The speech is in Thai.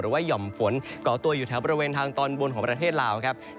หย่อมฝนก่อตัวอยู่แถวบริเวณทางตอนบนของประเทศลาวครับ